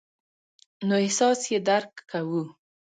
نو احساس یې درک کوو.